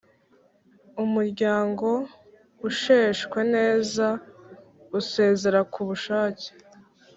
Umuryango usheshwe neza usezera ku bushake